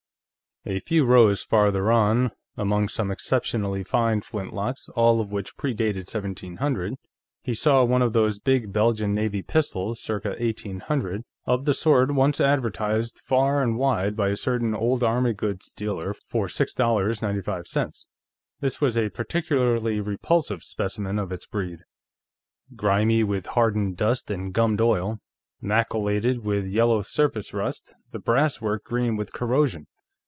A few rows farther on, among some exceptionally fine flintlocks, all of which pre dated 1700, he saw one of those big Belgian navy pistols, circa 1800, of the sort once advertised far and wide by a certain old army goods dealer for $6.95. This was a particularly repulsive specimen of its breed; grimy with hardened dust and gummed oil, maculated with yellow surface rust, the brasswork green with corrosion.